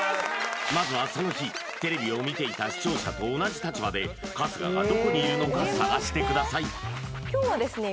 まずはその日テレビを見ていた視聴者と同じ立場で春日がどこにいるのか探してください今日はですね